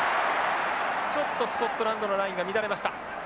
ちょっとスコットランドのラインが乱れました。